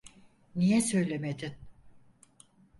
Niye söylemedin?